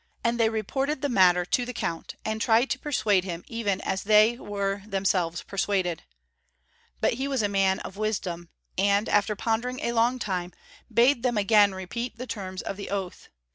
And they reported the matter to the Count, and tried to persuade him even as they were themselves persuaded. But he was a man of wisdom, (4) and, after pondering a long time, bade them again repeat the terms of the oath.